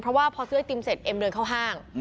เพราะว่าพอซื้อไอติมเสร็จเอ็มเดินเข้าห้าง